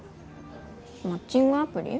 マッチングアプリ？